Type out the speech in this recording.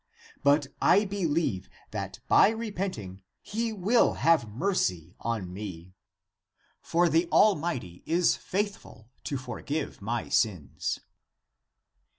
But I believe that by repenting he will have mercy on me. For the Al mighty is faithful to forgive my sins."